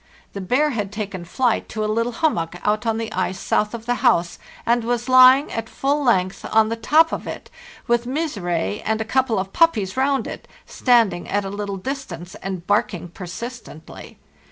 The bear had taken flight to a THE JOURNEY SOUTHWARD 543 little hummock out on the ice south of the house, and was lying at full length on the top of it, with ' Misere' and a couple of puppies round it, standing at a little distance and barking. persistently.